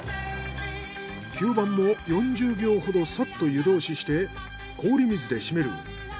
吸盤も４０秒ほどさっと湯通しして氷水でしめる。